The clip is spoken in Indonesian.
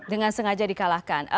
dengan sengaja dikalahkan